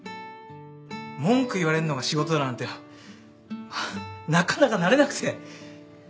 文句言われるのが仕事だなんてなかなか慣れなくて。